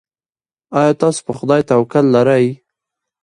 ایا تاسو په خدای توکل لرئ؟